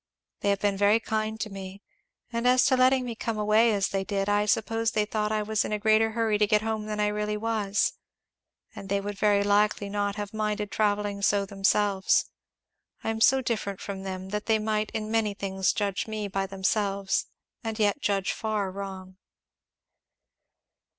They have been very kind to me; and as to letting me come away as they did, I suppose they thought I was in a greater hurry to get home than I really was and they would very likely not have minded travelling so themselves; I am so different from them that they might in many things judge me by themselves and yet judge far wrong."